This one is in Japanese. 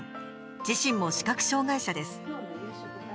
自身も視覚障害者です。